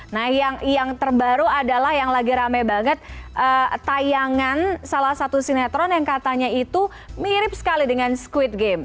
nah yang terbaru adalah yang lagi rame banget tayangan salah satu sinetron yang katanya itu mirip sekali dengan squid game